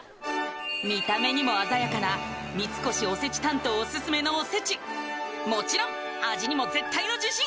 見た目にも鮮やかな三越おせち担当オススメのおせちもちろん味にも絶対の自信